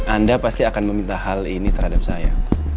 anda pasti akan meminta hal ini terhadap saya